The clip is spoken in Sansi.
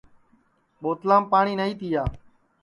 ٻوتلام پاٹؔی نائی تِیا